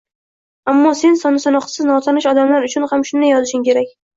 Ammo sen son-sanoqsiz notanish odamlar uchun ham shunday yozishing kerak